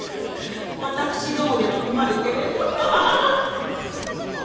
私どもでは困るけれど。